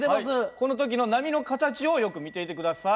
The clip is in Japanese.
この時の波の形をよく見ていて下さい。